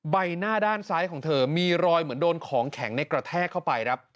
ใบหน้าด้านซ้ายของเธอมีรอยเหมือนโดนของแข็งในกระแทกเข้าไปครับ